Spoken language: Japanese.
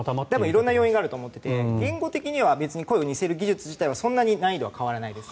色んな要因があると思っていてＡＩ自体、音声を似せるのはそんなに難易度は変わらないです。